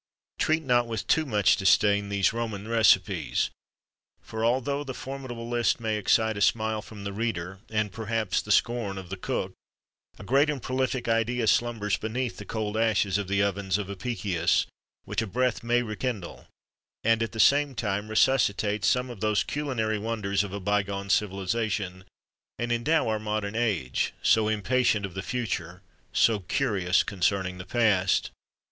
Treat not with too much disdain these Roman recipes; for although the formidable list may excite a smile from the reader, and, perhaps, the scorn of the cook, a great and prolific idea slumbers beneath the cold ashes of the ovens of Apicius which a breath may rekindle; and, at the same time, resuscitate some of those culinary wonders of a bygone civilisation, and endow our modern age, so impatient of the future, so curious concerning the past.